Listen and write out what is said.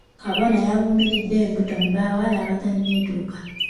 Kabona yavumiridde embuto mu bawala abatanetuuka.